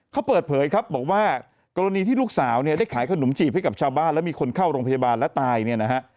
เขาเปิดเผยครับบอกว่ากรณีที่ลูกสาวเนี่ยได้ขายขนมจีบให้กับชาวบ้านแล้วมีคนเข้าโรงพยาบาลและตายเนี่ยนะฮะ